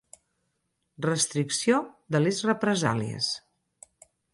Restricció de les represàlies.